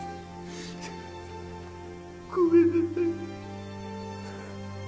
・ごめんなさい